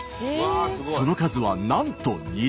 その数はなんと２０種類！